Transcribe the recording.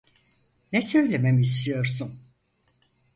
Ne söylememi istiyorsun?